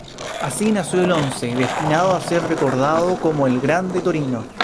Así nació el once destinado a ser recordado como el "Grande Torino".